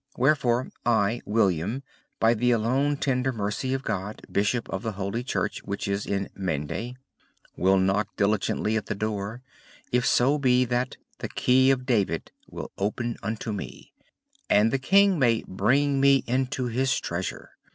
Wherefore, I, WILLIAM, by the alone tender mercy of God, Bishop of the Holy Church which is in Mende, will knock diligently at the door, if so be that THE KEY OF DAVID will open unto me: that the King may BRING ME INTO HIS TREASURE?